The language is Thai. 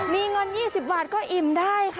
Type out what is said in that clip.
มีเงิน๒๐บาทก็อิ่มได้ค่ะ